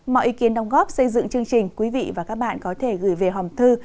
mọi ý kiến đồng góp xây dựng chương trình quý vị và các bạn có thể gửi về hòm thư